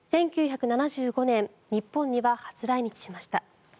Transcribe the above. １９７５年日本には初来日しました。